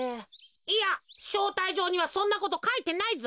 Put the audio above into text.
いやしょうたいじょうにはそんなことかいてないぞ。